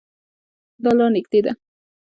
دا لار نږدې ده